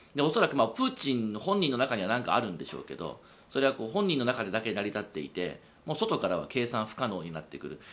恐らくプーチン本人の中にはなんかあるんでしょうけど本人の中だけで成り立っていて外からは計算不可能になってくる。